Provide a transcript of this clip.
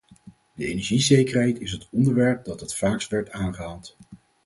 De energiezekerheid is het onderwerp dat het vaakst werd aangehaald.